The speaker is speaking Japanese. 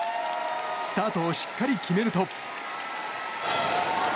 スタートをしっかり決めると。